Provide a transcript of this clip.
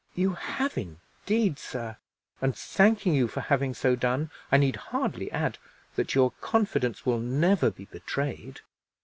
"You have, indeed, sir; and, thanking you for having so done, I need hardly add that your confidence will never be betrayed."